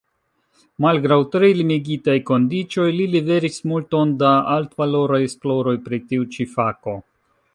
Malgraŭ tre limigitaj kondiĉoj li liveris multon da altvaloraj esploroj pri tiu ĉi fako.